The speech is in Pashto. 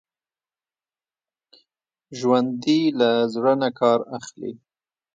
ژوندي له زړه نه کار اخلي